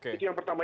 jadi yang pertama